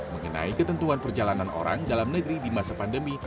mengenai ketentuan perjalanan orang dalam negeri di masa pandemi